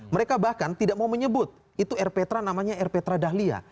mereka bahkan tidak mau menyebut itu air petra namanya air petra dahlia